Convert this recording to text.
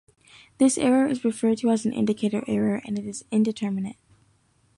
This error is referred to as an indicator error, and it is indeterminate.